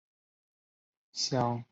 岩藿香为唇形科黄芩属下的一个种。